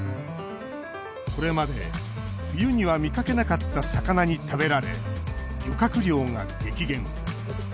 これまで冬には見かけなかった魚に食べられ、漁獲量が激減。